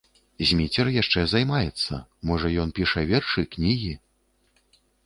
Зміцер яшчэ займаецца, можа, ён піша вершы, кнігі?